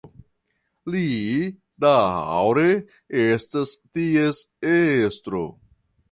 Li daŭre estas ties estro.